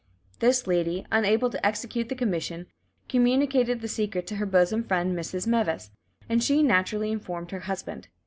This lady, unable to execute the commission, communicated the secret to her bosom friend Mrs. Meves, and she naturally informed her husband.